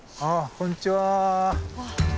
こんにちは。